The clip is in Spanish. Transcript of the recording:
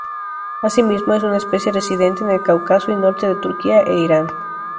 Asimismo, es una especie residente en el Cáucaso y norte de Turquía e Irán.